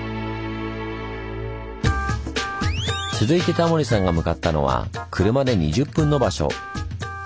続いてタモリさんが向かったのは車で２０分の場所。